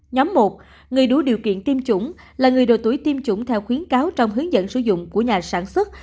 nhóm một người đủ điều kiện tiêm chủng là người đồ tuổi tiêm chủng theo khuyến cáo trong hướng dẫn sử dụng của nhà sản xuất